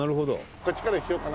「こっちからにしようかな。